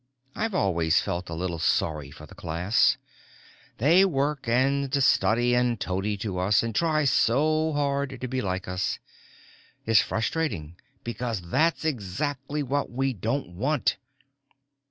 I've always felt a little sorry for the class. They work, and study, and toady to us, and try so hard to be like us. It's frustrating, because that's exactly what we don't want.